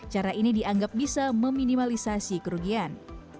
cara ini dianggap bisa meminimalisasi kerugian